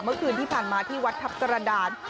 เมื่อคืนที่ผ่านมาที่วัดทัพกระดาน